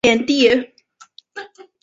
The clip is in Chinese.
张联第。